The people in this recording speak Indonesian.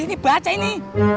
ini baca ini